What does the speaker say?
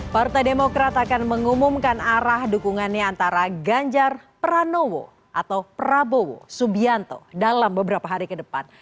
partai demokrat akan mengumumkan arah dukungannya antara ganjar pranowo atau prabowo subianto dalam beberapa hari ke depan